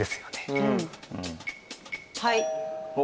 はい。